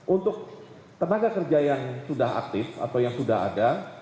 untuk tenaga kerja yang sudah aktif atau yang sudah ada